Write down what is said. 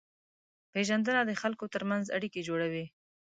پېژندنه د خلکو ترمنځ اړیکې جوړوي.